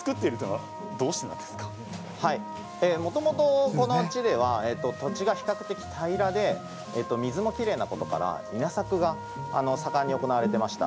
はい、もともとこの地では土地が比較的平らで水もきれいなことから稲作が盛んに行われてました。